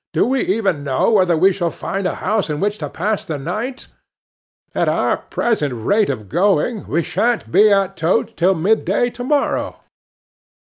Do we even know whether we shall find a house in which to pass the night? At our present rate of going we sha'n't be at Totes till midday to morrow."